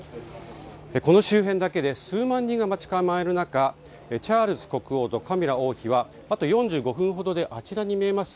この周辺だけで数万人が待ち構える中チャールズ国王とカミラ王妃はあと４５分ほどであちらに見えます